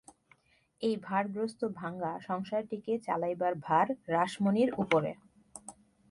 এই ভারগ্রস্ত ভাঙা সংসারটিকে চালাইবার ভার রাসমণির উপরে।